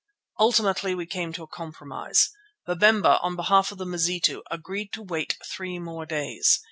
Ultimately we came to a compromise. Babemba, on behalf of the Mazitu, agreed to wait three more days.